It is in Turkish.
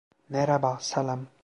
Merhaba, selam.